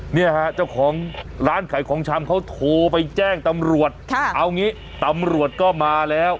เนี่ยฮะเจ้าของร้านขายของชำเขาโทรไปแจ้งตำรวจเอางี้ตำรวจก็มาแล้ว